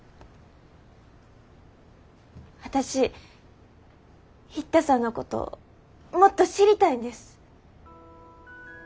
私一太さんのこともっと知りたいんです。